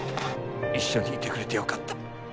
一緒にいてくれてよかった。